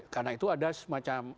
karena itu ada semacam